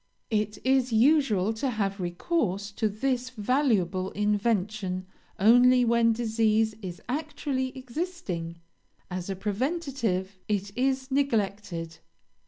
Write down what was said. It is usual to have recourse to this valuable invention only when disease is actually existing as a preventive, it is neglected.